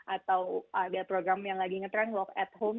atau ada program yang lagi ngetrend walk at home